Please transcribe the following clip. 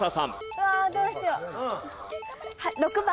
うわあどうしよう。